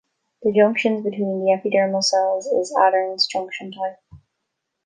The junctions between the epidermal cells is adherens junction type.